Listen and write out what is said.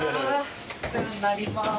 お世話になります。